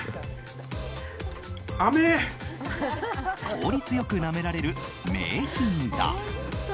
効率よくなめられる名品だ。